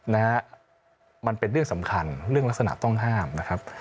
นะฮะมันเป็นเรื่องสำคัญเรื่องลักษณะต้องห้ามนะครับ